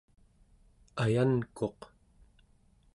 ayankuq